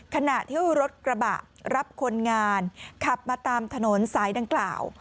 ขณะที่รถกระบะรับคนงานขับมาตามถนนสายดังกล่าว